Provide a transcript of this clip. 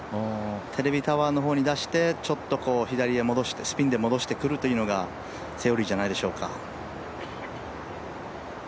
テレビタワーの方に出してちょっと左へスピンで戻してくるというのがセオリーじゃないでしょうか。